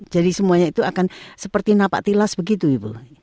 jadi semuanya itu akan seperti napak tilas begitu ibu